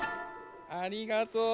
ありがとう！